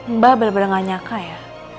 mbak bener bener gak nyaka ya